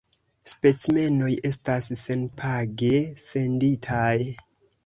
Specimenoj estas senpage senditaj.